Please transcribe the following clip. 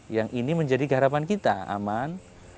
yang ini menjadi keharapan kita aman